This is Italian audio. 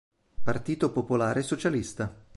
Partito Popolare Socialista